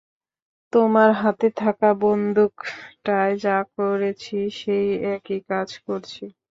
তোমার হাতে থাকা বন্দুকটায় যা করেছি সেই একই কাজ করছি।